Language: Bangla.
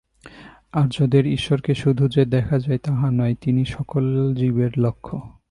আর্যদের ঈশ্বরকে শুধু যে দেখা যায়, তাহা নয়, তিনি সকল জীবের লক্ষ্য।